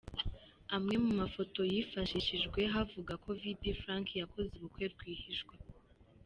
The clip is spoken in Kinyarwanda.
Amwe mu mafoto yifashishijwe havugwa ko Vd Frank yakoze ubukwe rwihishwa.